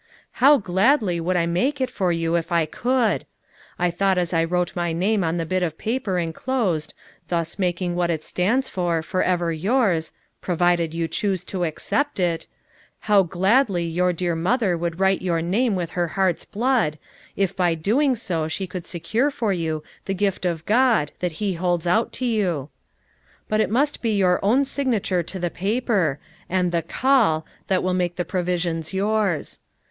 How glad ly would I make it for you if I could ! I thought as I wrote my name on the bit of paper en closed, thus making what it stands for forever yours,— provided you choose to accept it, — how gladly your dear mother would write your name with her heart's blood, if by doing so she could secure for you the gift of God that he holds out to you. But it must be your own signature to the paper, and the call that will make the pro visions yours.